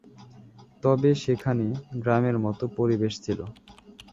তবে সেখানে গ্রামের মতো পরিবেশ ছিল।